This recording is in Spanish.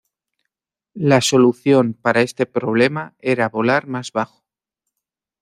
La solución para este problema era volar más bajo.